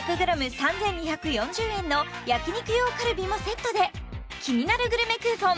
３２４０円の焼肉用カルビもセットでキニナルグルメクーポン